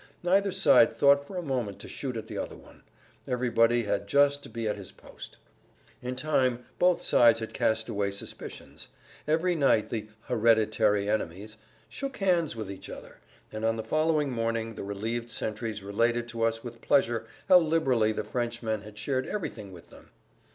Neither side thought for a moment to shoot at the other one; everybody had just to be at his post. In time both sides had cast away suspicions; every night the "hereditary enemies" shook hands with each other; and on the following morning the relieved sentries related to us with pleasure how liberally the Frenchmen had shared everything with them.